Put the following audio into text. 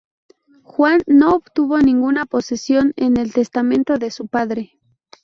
Juan no obtuvo ninguna posesión en el testamento de su padre.